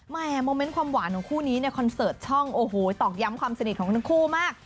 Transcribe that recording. โมเมนต์ความหวานของคู่นี้เนี่ยคอนเสิร์ตช่องโอ้โหตอกย้ำความสนิทของทั้งคู่มาก